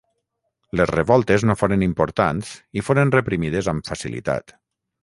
Les revoltes no foren importants i foren reprimides amb facilitat.